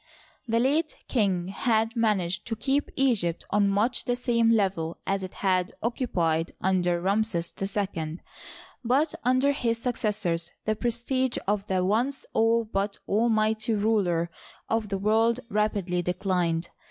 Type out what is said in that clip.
— The late king had managed to keep Egypt on much the same level as it had occupied under Ramses II, but under his successors the prestige of the once all but almighty ruler of the world rapidly declined.